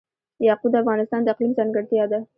یاقوت د افغانستان د اقلیم ځانګړتیا ده.